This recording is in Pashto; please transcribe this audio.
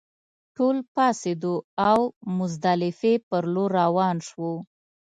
ټول پاڅېدو او مزدلفې پر لور روان شوو.